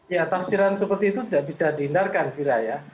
ya tafsiran seperti itu tidak bisa dihindarkan vira ya